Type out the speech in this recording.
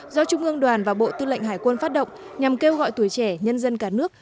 do trung ương đoàn và bộ tư lệnh hải quân phát động nhằm kêu gọi tuổi trẻ nhân dân cả nước